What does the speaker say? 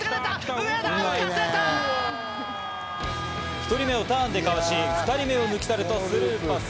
１人目をターンでかわし２人目を抜き去るとスルーパス。